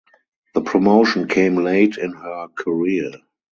The promotion came late in her career.